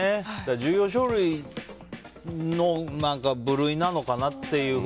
重要書類の部類なのかな？とか。